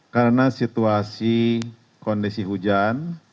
karena situasi kondisi hujan